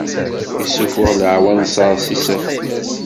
Issufuɣ leɛwanser s isaffen.